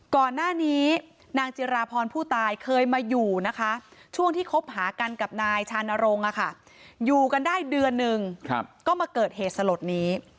ก่อนหน้านี้นางจิราพรผู้ตายเคยมาอยู่นะคะช่วงที่คบหากันกับนายชานรงค์อยู่กันได้เดือนหนึ่งก็มาเกิดเหตุสลดนี้